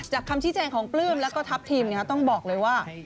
คำชี้แจงของปลื้มแล้วก็ทัพทีมต้องบอกเลยว่า